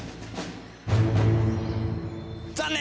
残念！